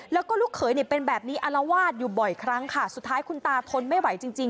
แล้วก็ลูกเขยเนี่ยเป็นแบบนี้อารวาสอยู่บ่อยครั้งค่ะสุดท้ายคุณตาทนไม่ไหวจริงจริง